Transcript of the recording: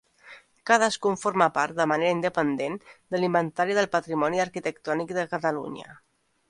Cadascun forma part de manera independent de l'Inventari del Patrimoni Arquitectònic de Catalunya.